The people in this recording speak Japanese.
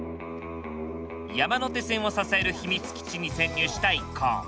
山手線を支える秘密基地に潜入した一行。